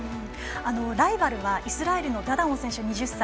ライバルはイスラエルのダダオン選手、２０歳。